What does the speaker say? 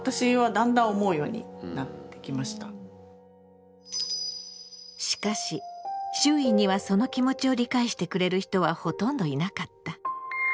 あっしかし周囲にはその気持ちを理解してくれる人はほとんどいなかった。